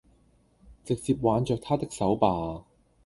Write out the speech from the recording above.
直接挽著他的手吧